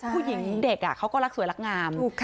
เด็กเขาก็รักสวยรักงาม